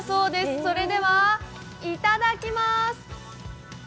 それでは、いただきまーす。